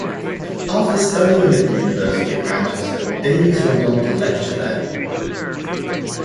After studying at University of Manchester, Davies went on to lecture there.